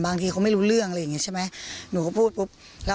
บางทีเขาไม่รู้เรื่องอะไรอย่างเงี้ใช่ไหมหนูก็พูดปุ๊บแล้ว